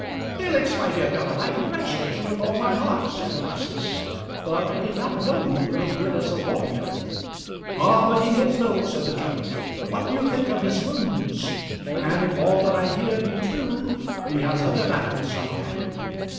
"Felix, my dear fellow, I congratulate you with all my heart," said Augustus. "But I did not know you were good as a warrior." "Ah, but he is though," said the judge. "What do you think of his wounds? And if all that I hear be true, he has other battles on hand.